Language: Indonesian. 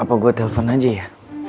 apa gue telpon aja ya